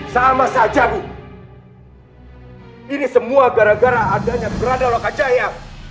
sama saja ini semua gara gara adanya berada loka jaya